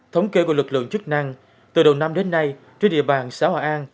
thống kê của lực lượng chức năng từ đầu năm đến nay trên địa bàn xã hòa an